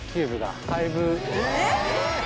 えっ！